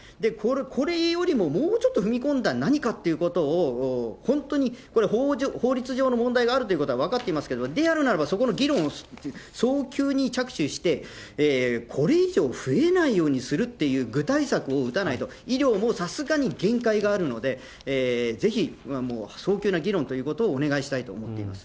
これよりももうちょっと、踏み込んだ何かっていうことを、本当にこれ法律上の問題があるということは分かっていますけれども、であるならば、そこの議論を早急に着手して、これ以上増えないようにするっていう具体策を打たないと、医療もさすがに限界があるので、ぜひ、そうきゅうなぎろんということをお願いしたいと思っています。